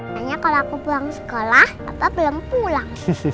hanya kalau aku pulang sekolah papa belum pulang